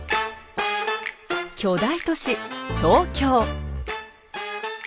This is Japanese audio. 巨大都市東京。